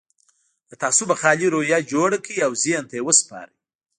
له تعصبه خالي روحيه جوړه کړئ او ذهن ته يې وسپارئ.